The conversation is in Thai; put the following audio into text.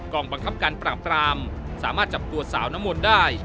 องบังคับการปราบรามสามารถจับตัวสาวน้ำมนต์ได้